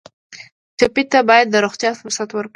ټپي ته باید د روغتیا فرصت ورکړو.